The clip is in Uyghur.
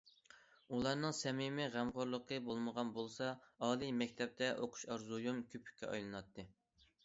ئۇلارنىڭ سەمىمىي غەمخورلۇقى بولمىغان بولسا ئالىي مەكتەپتە ئوقۇش ئارزۇيۇم كۆپۈككە ئايلىناتتى.